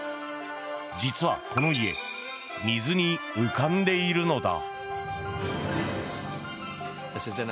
実は、この家水に浮かんでいるのだ。